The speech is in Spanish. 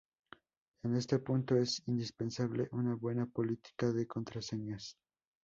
En este punto es indispensable una buena política de contraseñas.